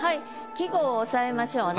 季語を押さえましょうね。